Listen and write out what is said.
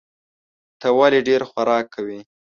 ته ولي ډېر خوراک کوې؟